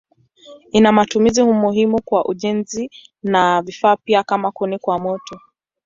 Ina matumizi muhimu kwa ujenzi na vifaa pia kama kuni kwa moto.